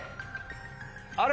あれ？